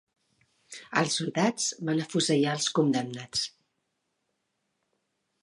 Els soldats van afusellar els condemnats.